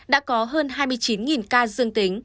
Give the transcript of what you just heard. đã có hơn hai mươi chín ca dương tính